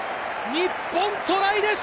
日本トライです！